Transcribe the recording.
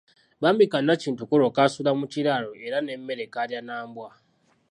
Bambi ka Nakintu kw'olwo kaasula mu kiraalo era n'emmere kaalya na mbwa .